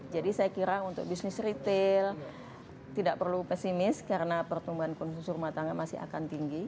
jadi saya kira untuk bisnis retail tidak perlu pesimis karena pertumbuhan konsumsi rumah tangga masih akan tinggi